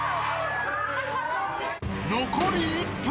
［残り１分。